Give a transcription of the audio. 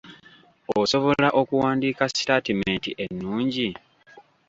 Osobola okuwandiika sitaatimenti ennungi?